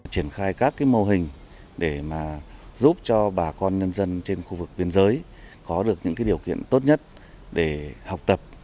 triển khai các mô hình để giúp cho bà con nhân dân trên khu vực biên giới có được những điều kiện tốt nhất để học tập